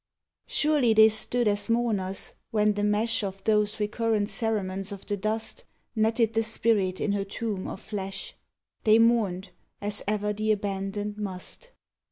Surely they stood as mourners, when the mesh Of those recurrent cerements of the dust Netted the spirit in her tomb of flesh. They mourned, as ever the abandoned must.